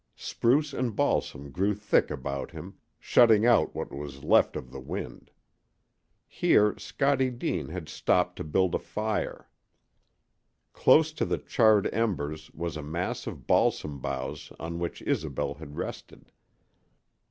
Spruce and balsam grew thick about him, shutting out what was left of the wind. Here Scottie Deane had stopped to build a fire. Close to the charred embers was a mass of balsam boughs on which Isobel had rested.